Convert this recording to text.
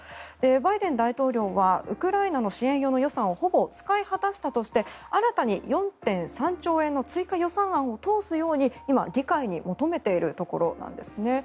バイデン大統領はウクライナの支援用の予算をほぼ使い果たしたとして新たに４．３兆円の追加予算案を通すように今、議会に求めているところなんですね。